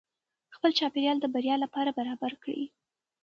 خپل چاپیریال د بریا لپاره برابر کړئ.